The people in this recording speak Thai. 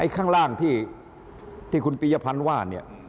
ข้างล่างที่คุณปียพันธ์ว่าเนี่ย